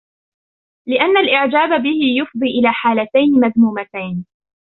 لِأَنَّ الْإِعْجَابَ بِهِ يُفْضِي إلَى حَالَتَيْنِ مَذْمُومَتَيْنِ